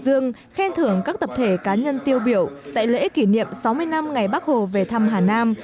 biểu dương khen thưởng các tập thể cá nhân tiêu biểu tại lễ kỷ niệm sáu mươi năm ngày bắc hồ về thăm hà nam